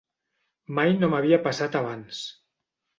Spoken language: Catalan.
Mai no m'havia passat abans.